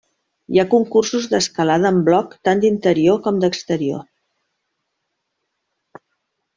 Hi ha concursos d'escalada en bloc tant d'interior com d'exterior.